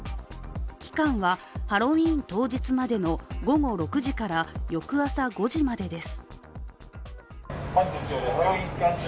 期間はハロウィーン当日までの午後６時から翌朝５時までです。